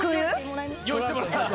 用意してもらった。